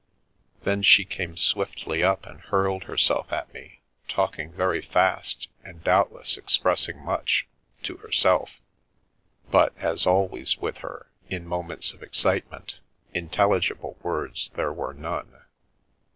Then she came swiftly up and hurled herself at me, talking very fast and doubtless expressing much — to herself — but, as always with her in moments of excitement, intelligible words there were none.